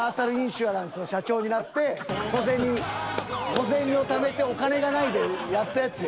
小銭小銭をためて「お金がない！」でやったやつや。